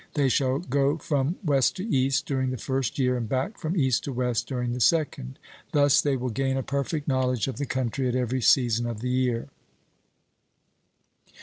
They shall go from West to East during the first year, and back from East to West during the second. Thus they will gain a perfect knowledge of the country at every season of the year.